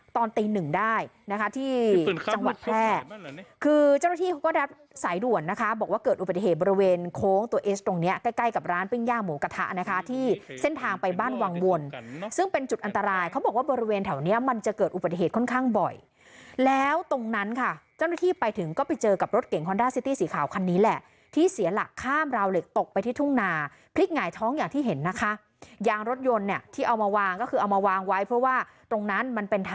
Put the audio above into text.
ตอนตีหนึ่งได้นะคะที่จังหวัดแพร่คือเจ้าหน้าที่เขาก็ได้สายด่วนนะคะบอกว่าเกิดอุปัติเหตุบริเวณโค้งตัวเอสตรงเนี้ยใกล้ใกล้กับร้านปิ้งย่างหมูกระทะนะคะที่เส้นทางไปบ้านวางวนซึ่งเป็นจุดอันตรายเขาบอกว่าบริเวณแถวเนี้ยมันจะเกิดอุปัติเหตุค่อนข้างบ่อยแล้วตรงนั้นค่ะเจ้าหน้าที่ไปถึงก็ไปเจ